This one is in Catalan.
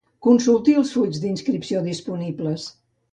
Consulti els fulls d'inscripció disponibles.